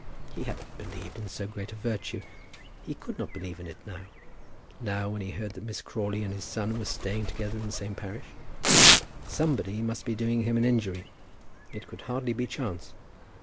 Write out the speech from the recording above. He had not believed in so great a virtue. He could not believe in it now, now, when he heard that Miss Crawley and his son were staying together in the same parish. Somebody must be doing him an injury. It could hardly be chance.